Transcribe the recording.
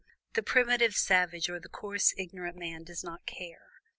The primitive savage or the coarse ignorant man does not care.